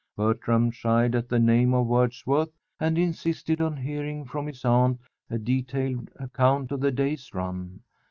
Bertram shied at the name of Wordsworth and insisted on hearing from his aunt a detailed account of the day's run.